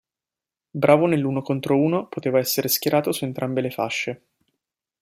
Bravo nell'uno contro uno, poteva essere schierato su entrambe le fasce.